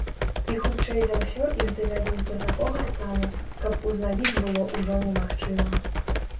І хутчэй за ўсё іх давядуць да такога стану, каб узнавіць было ўжо немагчыма.